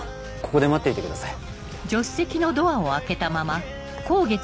ここで待っていてください。